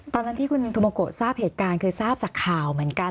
ตอนนั้นที่คุณทูโมโกะทราบเหตุการณ์เคยทราบจากข่าวเหมือนกัน